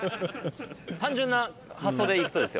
単純な発想でいくとですよ。